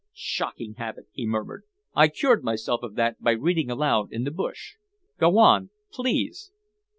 "Shocking habit," he murmured. "I cured myself of that by reading aloud in the bush. Go on, please?"